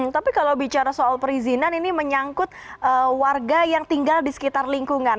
tapi kalau bicara soal perizinan ini menyangkut warga yang tinggal di sekitar lingkungan